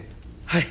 はい。